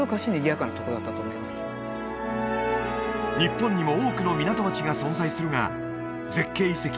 やっぱり日本にも多くの港町が存在するが絶景遺跡